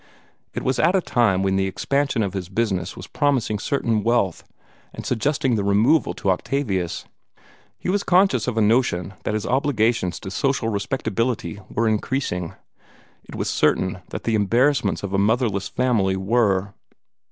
It was at a time when the expansion of his business was promising certain wealth, and suggesting the removal to Octavius. He was conscious of a notion that his obligations to social respectability were increasing; it was certain that the embarrassments of a motherless family were.